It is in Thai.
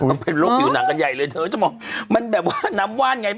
มันเป็นโรคผิวหนังกันใหญ่เลยเธอจะบอกมันแบบว่าน้ำว่านไง